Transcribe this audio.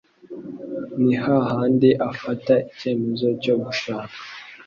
ni ha handi afata icyemezo cyo gushaka